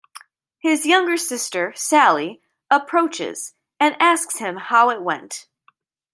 His younger sister, Sally, approaches and asks him how it went.